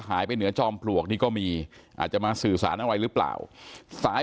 หายไปเหนือจอมปลวกนี่ก็มีอาจจะมาสื่อสารอะไรหรือเปล่าสาย